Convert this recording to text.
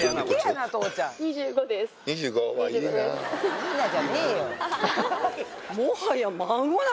「イイな」じゃねえよ！